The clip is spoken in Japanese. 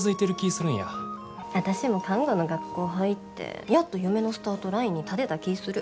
私も看護の学校入ってやっと夢のスタートラインに立てた気ぃする。